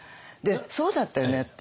そうだったよねって。